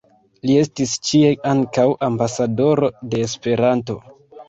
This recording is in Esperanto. Li estis ĉie ankaŭ "ambasadoro de Esperanto.